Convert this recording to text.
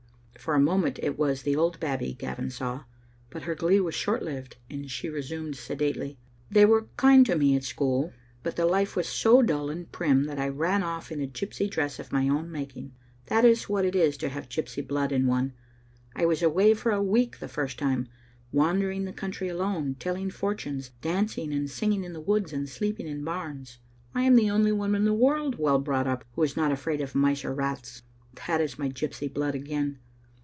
For a moment it was the old Babbie Gavin saw; but her glee was short lived, and she resumed sedately: " They were kind to me at school, but the life was so dull and prim that I ran off in a gypsy dress of my own making. That is what it is to have gypsy blood in one. I was awaj^ for a week the first time, wander ing the country alone, telling fortunes, dancing and singing in woods, and sleeping in bams. I am the only woman in the world well brought up who is not afraid of mice or rats. That is my gypsy blood again.